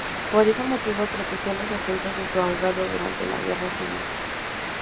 Por ese motivo protegió los asuntos de su abogado durante las guerras civiles.